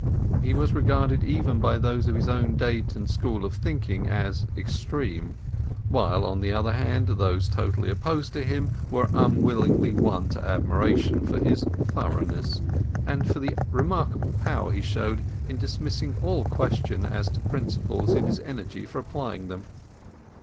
He was regarded even by those of his own date and school of thinking as extreme; while, on the other hand, those totally opposed to him were unwillingly won to admiration for his thoroughness, and for the remarkable power he showed in dismissing all question as to principles in his energy for applying them.